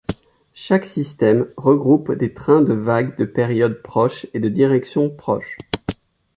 Chaque système regroupe des trains de vagues de périodes proches et de directions proches.